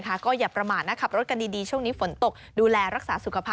ดอกจิ๊ก